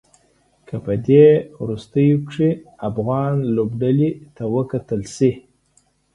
که په دې وروستيو کې افغان لوبډلې ته وکتل شي.